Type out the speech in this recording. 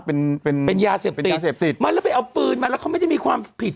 เป็นเป็นยาเสพติดเสพติดไม่แล้วไปเอาปืนมาแล้วเขาไม่ได้มีความผิด